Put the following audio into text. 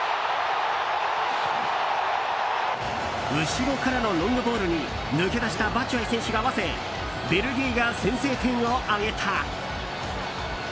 後ろからのロングボールに抜け出したバチュアイ選手が合わせベルギーが先制点を挙げた。